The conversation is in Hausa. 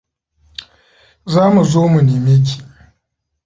Za mu zo mu neme ki.